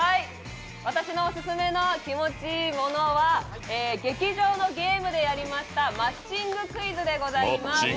私のオススメの気持ち良いものは劇場のゲームでやりましたマッチングクイズでございます！